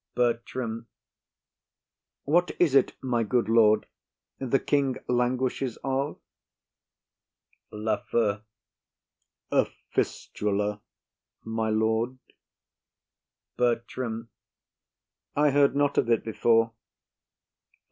BERTRAM. What is it, my good lord, the king languishes of? LAFEW. A fistula, my lord. BERTRAM. I heard not of it before.